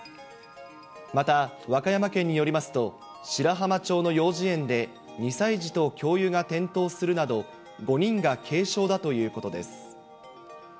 また、和歌山県によりますと、白浜町の幼稚園で２歳児と教諭が転倒するなど、５人が軽傷だということです。